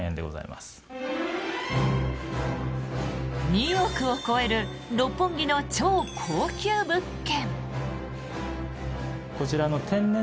２億を超える六本木の超高級物件。